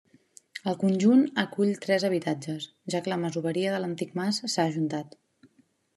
El conjunt acull tres habitatges, ja que la masoveria de l’antic mas s'ha ajuntat.